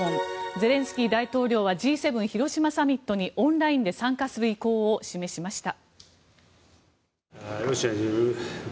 ゼレンスキー大統領はＧ７広島サミットにオンラインで参加する意向を示しました。